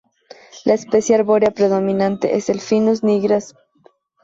La especie arbórea predominante es el Pinus nigra ssp.